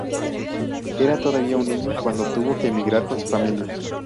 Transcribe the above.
Era todavía un niño cuando tuvo que emigrar con su familia.